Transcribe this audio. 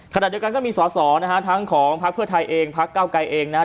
ขณะเดียวกันก็มีสอสอนะฮะทั้งของพักเพื่อไทยเองพักเก้าไกรเองนะฮะ